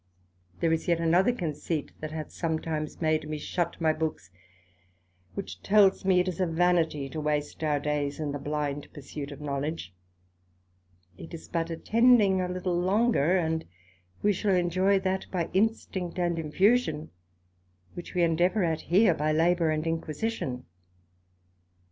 There is yet another conceit that hath sometimes made me shut my books, which tells me it is a vanity to waste our days in the blind pursuit of knowledge; it is but attending a little longer, and we shall enjoy that by instinct and infusion, which we endeavour at here by labour and inquisition.